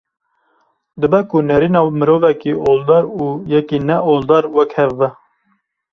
Dibe ku nêrîna mirovekî oldar û yekî ne oldar wek hev be